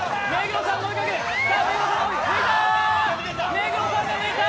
目黒さんが抜いた。